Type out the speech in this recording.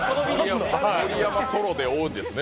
盛山ソロで多いんですね。